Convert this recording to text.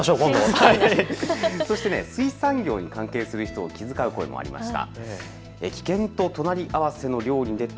水産業に関係する人を気遣う声もありました。